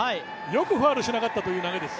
よくファウルしなかったという投げです。